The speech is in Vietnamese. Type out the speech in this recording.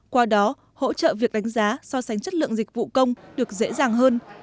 qua đó hỗ trợ việc đánh giá so sánh chất lượng dịch vụ công được dễ dàng hơn